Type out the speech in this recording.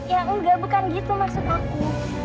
ya enggak bukan gitu maksud aku